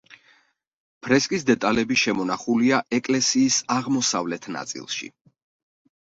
ფრესკის დეტალები შემონახულია ეკლესიის აღმოსავლეთ ნაწილში.